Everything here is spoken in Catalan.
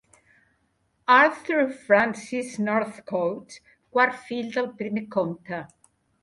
Arthur Francis Northcote, quart fill del primer comte.